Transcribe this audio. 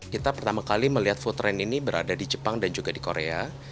kita pertama kali melihat footrend ini berada di jepang dan juga di korea